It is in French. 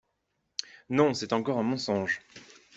Non, c’est encore un mensonge.